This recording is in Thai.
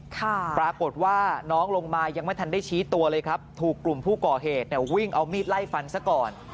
ปรากฏว่าน้องลงมายังไม่ทันได้ชี้ตัวเลยครับถูกกลุ่มผู้ก่อเหตุเนี่ยวิ่งเอามีดไล่ฟันซะก่อน